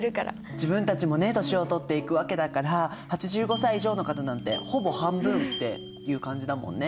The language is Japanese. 自分たちも年をとっていくわけだから８５歳以上の方なんてほぼ半分っていう感じだもんね。